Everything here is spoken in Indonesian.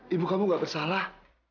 ibu kamu gak bersalah